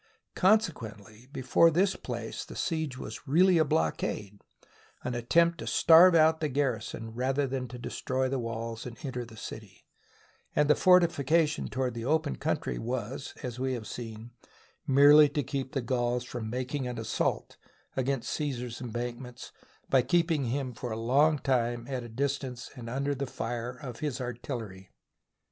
Consequently, before this place the siege was really a blockade — an attempt to starve out the garrison rather than to destroy the walls and enter the city; and the fortification toward the open country was, as we have seen, merely to keep the Gauls from making an assault against Caesar's embankments by keeping him for a long time at a distance and under the fire of his artillery.